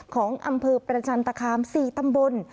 ของอำเภอประจันตคาม๔ตำบล